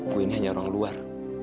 gue ini hanya orang luar